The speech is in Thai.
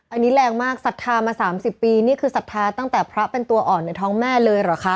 อันนี้แรงมากศรัทธามา๓๐ปีนี่คือศรัทธาตั้งแต่พระเป็นตัวอ่อนในท้องแม่เลยเหรอคะ